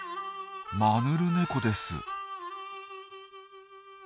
マヌルネコです。